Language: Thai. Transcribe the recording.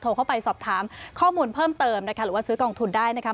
เข้าไปสอบถามข้อมูลเพิ่มเติมนะคะหรือว่าซื้อกองทุนได้นะคะ